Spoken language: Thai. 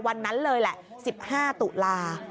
วันนั้นเลยแหละ๑๕ตุลา